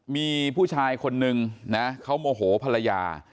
มีผู้ชายคนนึงนะเขาโมโหภรรยา